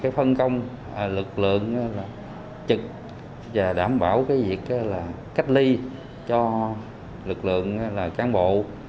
phân công lực lượng trực và đảm bảo việc cách ly cho lực lượng cán bộ